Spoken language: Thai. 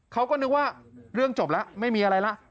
เขาก็นึกว่าเรื่องจบแล้วไม่มีอะไรละ